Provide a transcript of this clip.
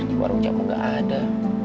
di warung jamu nggak ada